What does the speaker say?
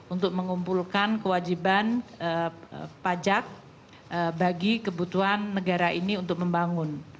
untuk mengumpulkan kewajiban pajak bagi kebutuhan negara ini untuk membangun